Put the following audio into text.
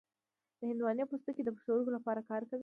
د هندواڼې پوستکی د پښتورګو لپاره وکاروئ